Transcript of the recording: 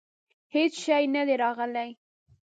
هیڅ شی نه دي راغلي.